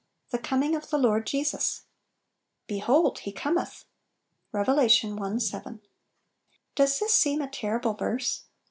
THE COMING OF THE LORD JESUS. "Behold, He cometh ! "—Bev. L 7. DOES this seem a terrible verse?